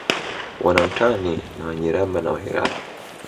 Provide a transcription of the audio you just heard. Wana utani na Wanyiramba na Wairaqw